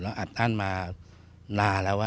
อัดอั้นมานานแล้ว